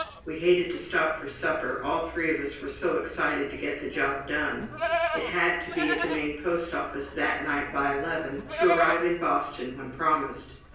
We hated to stop for supper, all three of us were so excited to get the job done. It had to be at the main post office that night by eleven, to arrive in Boston when promised.